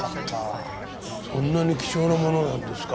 そんなに貴重なものなんですか？